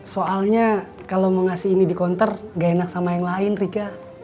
soalnya kalau mau ngasih ini di counter gak enak sama yang lain rika